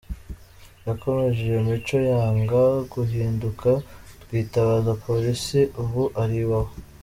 Yakomeje iyo mico yanga guhinduka twitabaza police ubu ari i wawa.